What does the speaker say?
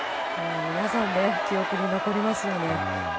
皆さんの記憶に残りますよね。